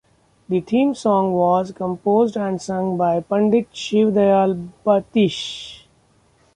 The theme song was composed and sung by Pandit Shiv Dayal Batish.